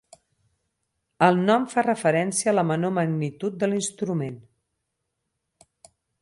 El nom fa referència a la menor magnitud de l'instrument.